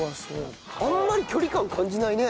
あんまり距離感感じないね。